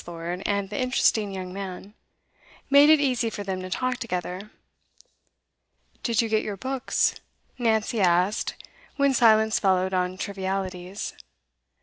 Lord and the interesting young man, made it easy for them to talk together. 'Did you get your books?' Nancy asked, when silence followed on trivialities.